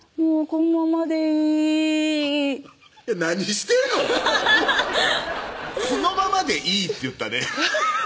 「このままでいい」って言ったね